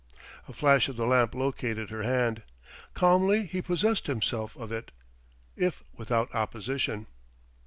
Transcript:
A flash of the lamp located her hand. Calmly he possessed himself of it, if without opposition.